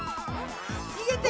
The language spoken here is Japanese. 逃げて！